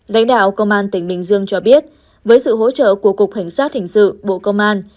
lãnh đạo công an tỉnh bình dương cho biết với sự hỗ trợ của cục cảnh sát hình sự bộ công an